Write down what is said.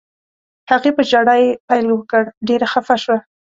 هغې په ژړا یې پیل وکړ، ډېره خفه شوه.